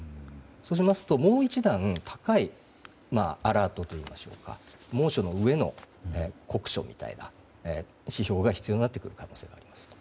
そうしますと、もう１段高いアラートといいますか猛暑の上の酷暑みたいな指標が必要になってくる可能性があります。